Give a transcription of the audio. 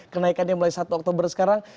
kenaikannya mulai satu oktober sekarang